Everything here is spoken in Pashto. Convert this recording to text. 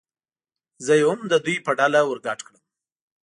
زه یې هم د دوی په ډله ور ګډ کړم.